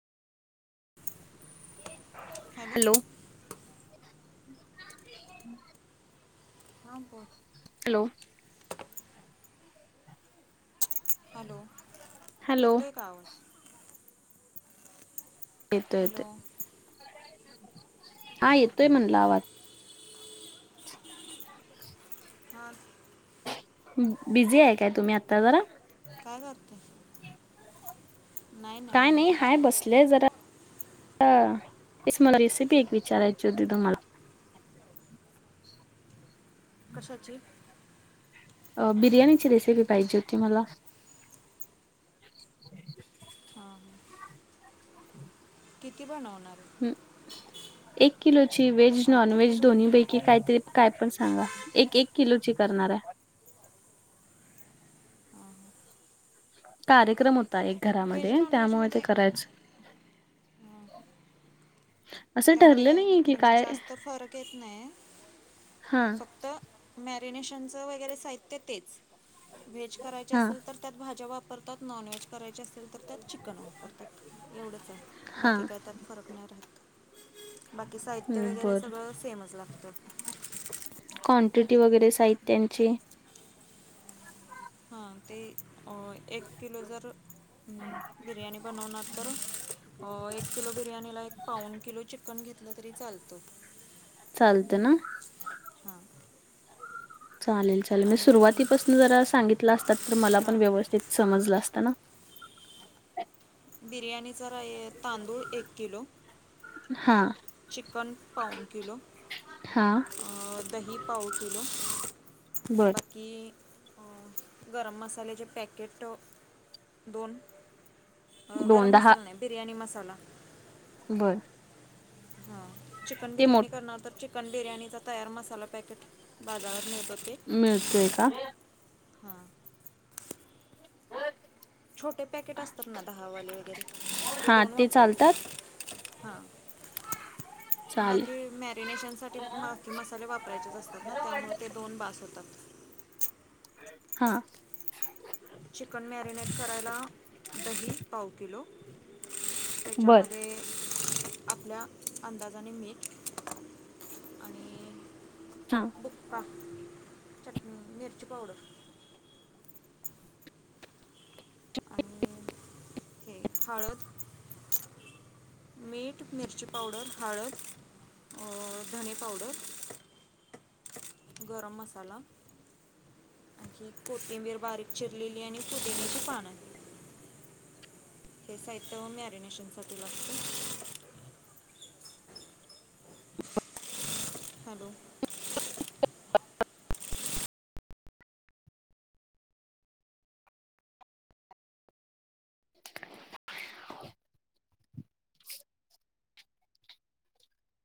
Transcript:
ते हॅलो [inaudible] हां बर हॅलो [inaudible] हॅलो हॅलो येतोय का येतोय हॅलो येतोय हा येतोय म्हणलावाज ह बिझी आहे काय तुम्ही आता जरा काय करत काय नाही हाय बसले जरा इ मे भी एक विचार आहे जो द तु मला कशाची अ बिर्याणीची रेसिपी पाहिजे होती मला हां हां किती बणावणार हम् एक किलो व्हेज नॉन अर्धा व्हेज किलो दोन्ही पैकी किती काहीतरी काय पण सांगा? एक किलुची करणार आहे. कार्यक्रम होता. एक व्हेज घरामध्ये त्यामुळे ते नॉनव्हेजमध्ये करायचं. हां. असं त्यामध्ये ठरलं काय नाहीये की म्हणजे काय जास्त फरक येत नाही हा फक्त मॅरीनेशनचं वगैरे साहित्य तेच व्हेज करायचे हा असेल तर त्यात भाज्या वापर करतात नॉनव्हेज करायचे अस अस तर त्यात चिकन वापरतात. एवढंच आहे. हा बाकी काय त्यात फरक नाही राहत. बाकी साहित्य वगैरे बर सगळं सेमच लागत. क्वांटिटी वगैरे साहित्याची हा ते अ एक किलो जर हम्म. बिर्याणी बनवणार तर, एक किलो बिर्याणी ला एक पाऊन किलो चिकन घ घलं तरी चालतो. चालत ना? हा. चालेल चालेल. म सुरुवातीपासून जरा सांगितलं असतात तर मला पण हां व्यवस्थित समजलं अस त ना? बिर्याणीचा तांदूळ एक किलो. हा चिकन पाऊन किलो, हा अं दही. पाव किलो बर बाकी गरम मसाल्याचे पॅकेट दोन. अ गरम मसाला नाही. बिर्याणी मसाला. बरं. हा चिकन बिर्याणी करणार तर, चिकन बिर्याणीचा तयार मसाला पॅकेट बाजारात मिळतो. मिळतोय का हा. छोटे पॅकेट असतात ना दहावाले वगैरे ते हा दोन चालतात वापरायचे हा [unintelligible] बाकी मॅरिनेशन साठी बाकी मसाले वापरायचेच असतात ना त्यामुळे ते दोन बास होतात. हा. चिकन मॅरिनेट करायला दही पाव किलो. बर त्याच्यामध्ये आपल्या अंदाजाने मिठ आणि हा. भुका चटणी मिर्च पावडर आणि हे हळद मीठ मिरची, पावडर, हळद. धनी पावडर. गरम मसाला. अखी कोथिंबीर बारीक चिरलेली आणि पुदिन्याची पानं हे साहित्य व मी मेरीनेशनसाठी लागत हॅलो